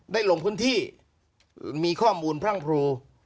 ลงพื้นที่มีข้อมูลพรั่งพรู